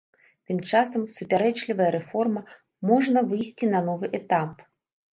Тым часам супярэчлівая рэформа можна выйсці на новы этап.